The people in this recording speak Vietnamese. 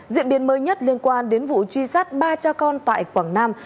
diễn biến mới nhất liên quan đến vụ truy sát ba cha con tại quảng nam